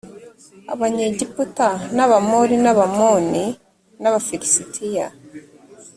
abanyegiputa n abamori n abamoni n abafilisitiya